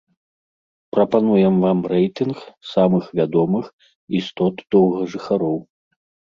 Прапануем вам рэйтынг самых вядомых істот-доўгажыхароў.